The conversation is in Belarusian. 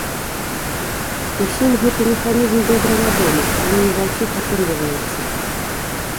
Усім гэты механізм добра вядомы, але не ва ўсіх атрымліваецца.